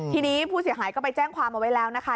ทีนี้ผู้เสียหายก็ไปแจ้งความเอาไว้แล้วนะคะ